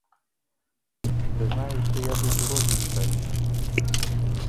Прызнаюся, я быў у розных краінах.